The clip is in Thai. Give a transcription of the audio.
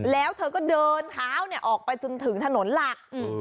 แล้วเธอก็เดินเท้าออกไปจนถึงถนนหลัก